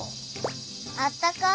あったかい。